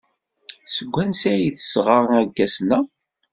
Seg wansi ay d-tesɣa irkasen-a?